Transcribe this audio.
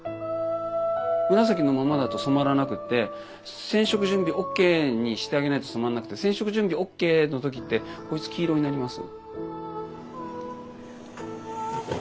紫のままだと染まらなくて染色準備ＯＫにしてあげないと染まんなくて染色準備ＯＫの時ってこいつ黄色になります。